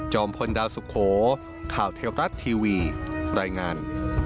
พลดาวสุโขข่าวเทวรัฐทีวีรายงาน